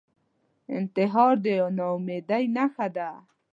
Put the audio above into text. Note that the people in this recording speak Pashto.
انتحار د ناامیدۍ نښه ده